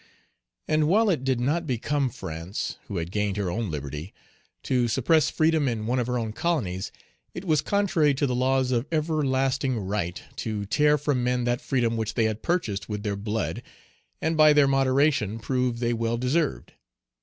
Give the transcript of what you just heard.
And while it did not become Page 147 France, who had gained her own liberty, to suppress freedom in one of her own colonies, it was contrary to the laws of ever lasting right to tear from men that freedom which they had purchased with their blood, and, by their moderation, proved they well deserved.